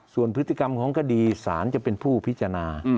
ส่วนพฤติกรรมของคดีศาลจะเป็นผู้พิจารณา